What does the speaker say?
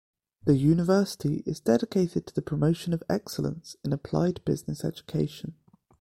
The university is dedicated to the promotion of excellence in applied business education.